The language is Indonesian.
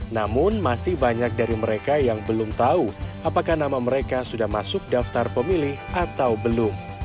namun masih banyak dari mereka yang belum tahu apakah nama mereka sudah masuk daftar pemilih atau belum